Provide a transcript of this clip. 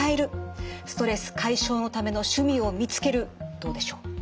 どうでしょう？